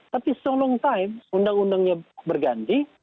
tapi selama berapa lama undang undangnya berganti